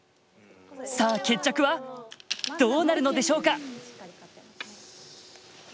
さあ決着はどうなるのでしょうか。